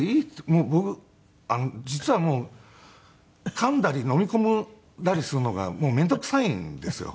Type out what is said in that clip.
僕実はもうかんだり飲み込んだりするのがめんどくさいんですよ。